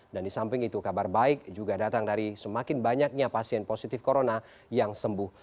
dan di samping itu kabar baik juga datang dari semakin banyaknya pasien positif corona yang sembuh